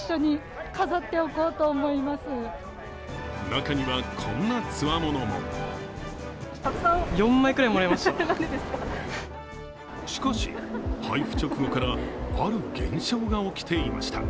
中にはこんな強者もしかし、配布直後からある現象が起きていました。